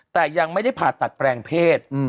แต่ยังไม่ได้ผ่าตัดแปลงเพศ